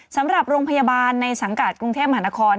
สำหรับโรงพยาบาลในสังกัดกรุงเทพมหานคร